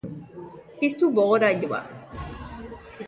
Piztu bogorailua.